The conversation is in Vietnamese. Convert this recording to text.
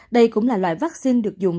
đây cũng là loại vắc xin được dùng